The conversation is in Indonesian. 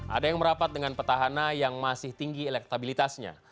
ada yang merapat dengan petahana yang masih tinggi elektabilitasnya